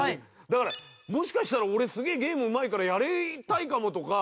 だから、もしかしたら俺すげえゲームうまいからやりたいかもとか。